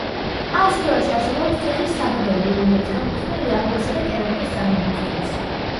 ამ სფეროში არსებობს თიხის საბადოები, რომლებიც განკუთვნილია აგურისა და კერამიკის წარმოებისთვის.